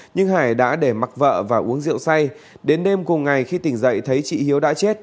nhưng hải đã để mặc vợ và uống rượu say đến đêm cùng ngày khi tỉnh dậy thấy chị hiếu đã chết